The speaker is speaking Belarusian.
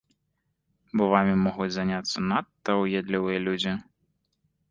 Бо вамі могуць заняцца надта ўедлівыя людзі.